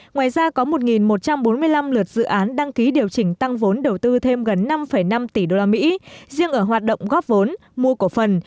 ngoài ra có một một trăm bốn mươi năm lượt dự án đăng ký điều chỉnh tăng vốn đầu tư thêm gần năm năm tỷ usd riêng ở hoạt động góp vốn mua cổ phần